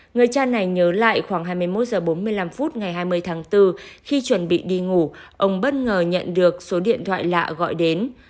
người cha này nhớ lại khoảng hai mươi một h bốn mươi năm phút ngày hai mươi tháng bốn khi chuẩn bị đi ngủ ông bất ngờ nhận được số điện thoại lạ gọi đến